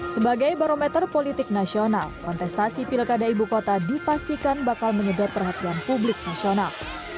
sebagai barometer politik nasional kontestasi pilkada ibu kota dipastikan bakal menyedot perhatian publik nasional